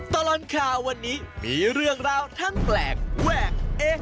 ตลอดข่าววันนี้มีเรื่องราวทั้งแปลกแวกเอ๊